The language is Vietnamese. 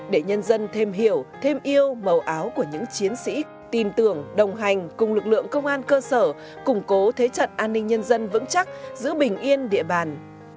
để nhân dân thêm hiểu thêm yêu màu áo của những chiến sĩ tin tưởng đồng hành cùng lực lượng công an cơ sở củng cố thế trận an ninh nhân dân vững chắc giữ bình yên địa bàn